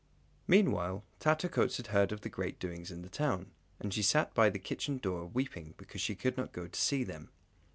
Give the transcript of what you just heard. Meanwhile Tattercoats had heard of the great doings in the town, and she sat by the kitchen door weeping because she could not go to see them.